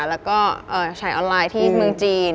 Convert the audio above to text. แล้วก็ขายออนไลน์ที่เมืองจีน